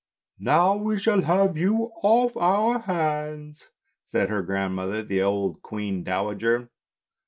" Now we shall have you off our hands," said her grandmother, the old queen dowager.